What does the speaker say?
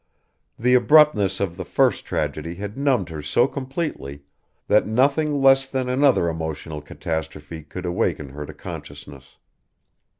The abruptness of the first tragedy had numbed her so completely that nothing less than another emotional catastrophe could awaken her to consciousness.